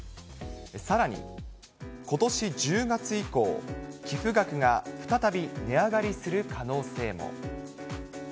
さらに、ことし１０月以降、寄付額が再び値上がりする可能性も。